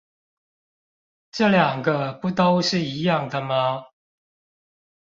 這兩個不都是一樣的嗎?